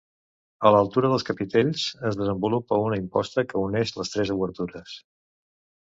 A l'altura dels capitells es desenvolupa una imposta que uneix les tres obertures.